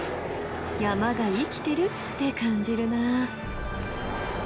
山が生きてるって感じるなあ。